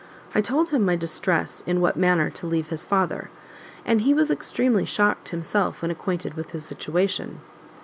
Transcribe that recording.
I told him my distress in what manner to leave his father; and he was extremely shocked himself when acquainted with his situation.